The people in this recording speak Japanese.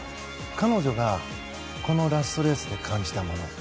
彼女がこのラストレースで感じたもの